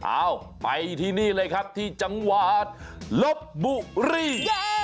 เอาไปที่นี่เลยครับที่จังหวัดลบบุรี